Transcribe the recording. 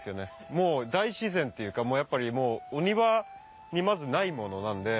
もう大自然っていうかお庭にまずないものなんで。